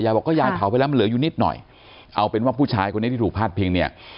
บอกก็ยายเผาไปแล้วมันเหลืออยู่นิดหน่อยเอาเป็นว่าผู้ชายคนนี้ที่ถูกพาดพิงเนี่ย